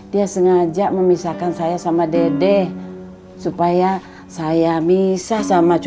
dia sengaja memisahkan saya sama dede supaya saya bisa sama cucu